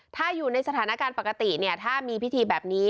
ถ้าอยู่ในสถานการณ์ปกติเนี่ยถ้ามีพิธีแบบนี้